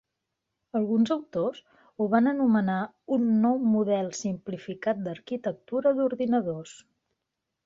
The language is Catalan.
Alguns autors ho van anomenar un nou "model" simplificat d'arquitectura d'ordinadors.